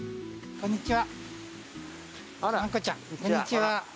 こんにちは。